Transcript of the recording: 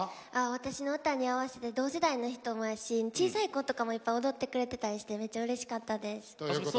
私の歌に合わせて同世代の人もやし小さい子とかもいっぱい踊ってくれてたりしてめっちゃうれしかったです。